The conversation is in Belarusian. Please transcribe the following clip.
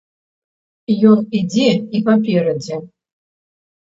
Ён ідзе і паперадзе.